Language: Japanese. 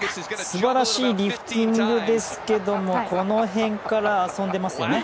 素晴らしいリフティングですけれどもこの辺から遊んでいますよね。